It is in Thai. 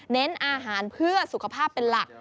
อาหารเพื่อสุขภาพเป็นหลัก